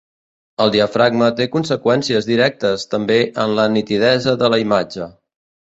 El diafragma té conseqüències directes també en la nitidesa de la imatge.